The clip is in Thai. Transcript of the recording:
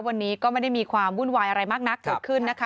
วันนี้ก็ไม่ได้มีความวุ่นวายอะไรมากนักเกิดขึ้นนะคะ